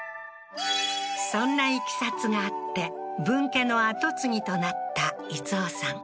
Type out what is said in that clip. そんないきさつがあって分家の跡継ぎとなった逸雄さん